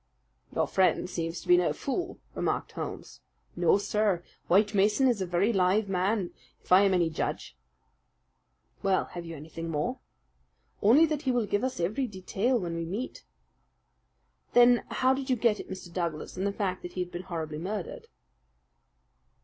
"Your friend seems to be no fool," remarked Holmes. "No, sir, White Mason is a very live man, if I am any judge." "Well, have you anything more?" "Only that he will give us every detail when we meet." "Then how did you get at Mr. Douglas and the fact that he had been horribly murdered?"